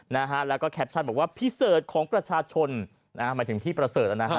นะฮะแล้วก็แคปชั่นบอกว่าพิเศษของประชาชนนะฮะหมายถึงพี่ประเสริฐนะฮะ